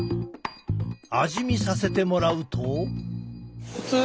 味見させてもらうと。